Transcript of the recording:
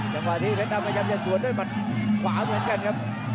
จังหวะที่เพชรดำพยายามจะสวนด้วยมัดขวาเหมือนกันครับ